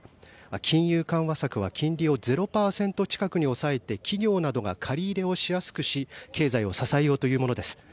金融緩和策は金利を０％近くに抑えて企業などが借り入れをしやすくし経済を支えようというものです。